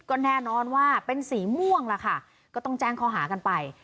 ก็แน่นอนว่าเป็นสีม่วงล่ะค่ะก็ต้องแจ้งข้อหากันไป